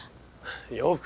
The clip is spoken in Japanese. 洋服？